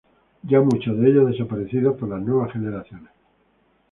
Ya muchos de ellos desaparecidos por las nuevas generaciones.